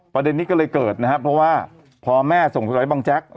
ประเด็นนี้ก็เลยเกิดนะครับเพราะว่าพอแม่ส่งโทรศัพท์ให้บังจักร